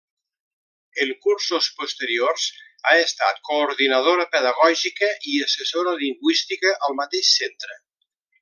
En cursos posteriors ha estat Coordinadora Pedagògica i Assessora Lingüística al mateix centre.